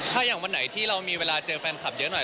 ถ้าอย่างวันไหนที่เรามีเวลาเจอแฟนคลับเยอะหน่อย